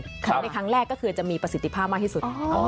ในครั้งแรกก็คือจะมีประสิทธิภาพมากที่สุด